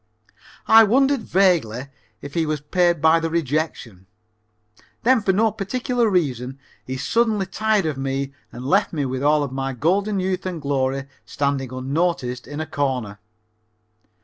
I wondered vaguely if he was paid by the rejection. Then for no particular reason he suddenly tired of me and left me with all my golden youth and glory standing unnoticed in a corner.